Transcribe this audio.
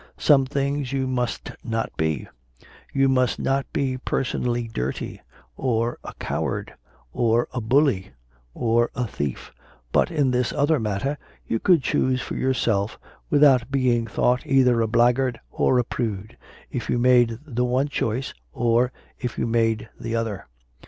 Some things you must not be : you must not be personally dirty, or a coward, or a bully, or a thief; but in this other matter you could choose for yourself without being thought either a blackguard or a prude, if you made the one choice, or if you made the other.